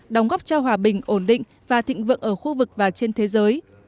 đóng góp cho hòa bình ổn định và thịnh vượng ở khu vực và trên thế giới